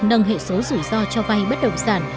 nâng hệ số rủi ro cho vay bất động sản